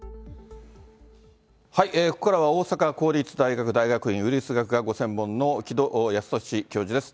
ここからは大阪公立大学大学院ウイルス学がご専門の城戸康年教授です。